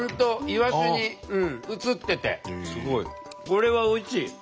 これはおいしい！